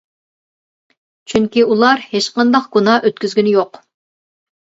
چۈنكى ئۇلار ھېچقانداق گۇناھ ئۆتكۈزگىنى يوق.